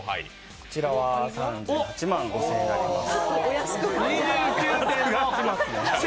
こちらは３８万５０００円になります。